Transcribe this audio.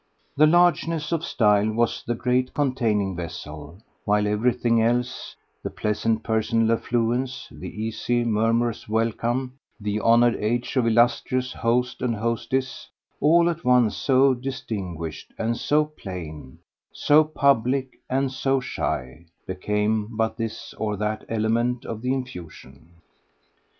The largeness of style was the great containing vessel, while everything else, the pleasant personal affluence, the easy murmurous welcome, the honoured age of illustrious host and hostess, all at once so distinguished and so plain, so public and so shy, became but this or that element of the infusion.